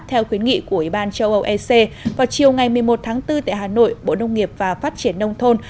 theo khuyến nghị của ủy ban châu âu ec vào chiều ngày một mươi một tháng bốn tại hà nội bộ nông nghiệp và phát triển nông thôn